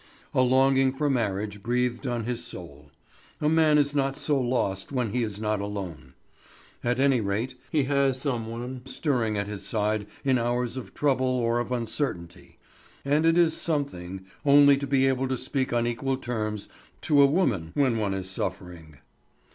A longing for marriage breathed on his soul. A man is not so lost when he is not alone. At any rate, he has some one stirring at his side in hours of trouble or of uncertainty; and it is something only to be able to speak on equal terms to a woman when one is suffering.